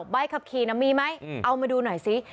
ใบขับขี่น่ะมีไหมเอามาดูหน่อยซิ